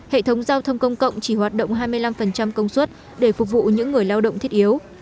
hệ thống giao thông công cộng chỉ hoạt động hai mươi năm công suất để phục vụ những người lao động thiết yếu